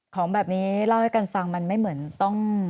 ของแบบนี้เล่าให้กันฟังมันไม่เหมือนต้อง